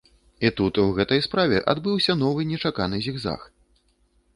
І тут у гэтай справе адбыўся новы нечаканы зігзаг.